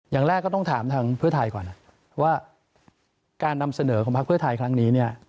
อย่างแรกก็ต้องถามทางเพื่อไทยก่อนว่าการนำเสนอของพักเพื่อไทยครั้งนี้เนี่ย